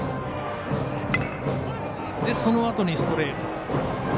そのあとにストレート。